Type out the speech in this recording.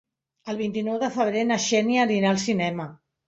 El vint-i-nou de febrer na Xènia anirà al cinema.